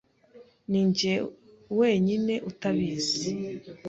Ninjye wenyine utabizi.